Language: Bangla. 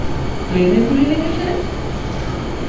প্লেনে গুলি লেগেছে!